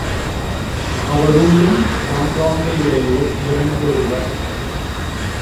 அவருள்ளும் சான்றாண்மையுடையோர் இரண்டொருவர்.